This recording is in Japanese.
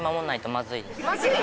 まずい？